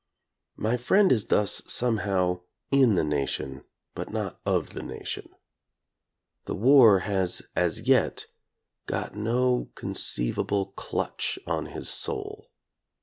My friend is thus somehow in the nation but not of the nation. The war has as yet got no conceivable clutch on his soul.